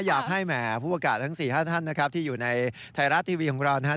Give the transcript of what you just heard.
อยากให้แหม่ภูเวอร์กาศทั้งสี่ห้านนะครับที่อยู่ในไทรรัสทีวีของเรานะครับ